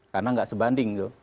karena tidak sebanding